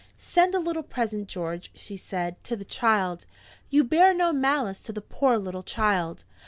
"Send a little present, George," she said, "to the child. You bear no malice to the poor little child?"